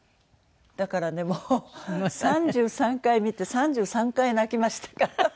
だからねもう３３回見て３３回泣きましたから。